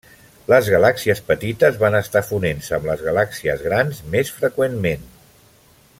Les galàxies petites van estar fonent-se amb les galàxies grans més freqüentment.